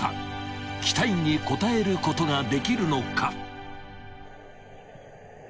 ［期待に応えることができるのか］